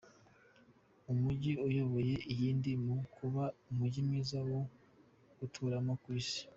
Umujyi uyoboye iyindi mu kuba umujyi mwiza wo guturamo ku isi.